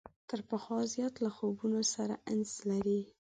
تر پخوا زیات له خوبونو سره انس لري.